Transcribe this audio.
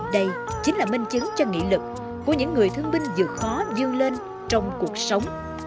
đây chính là minh chứng cho nghị lực của những người thương binh vượt khó dư lên trong cuộc sống